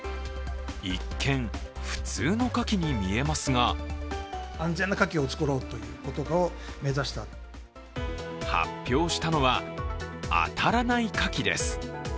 一見、普通のかきに見えますが発表したのはあたらないかきです。